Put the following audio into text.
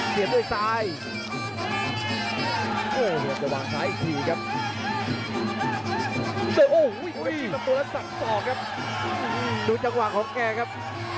กระโดยสิ้งเล็กนี่ออกกันขาสันเหมือนกันครับ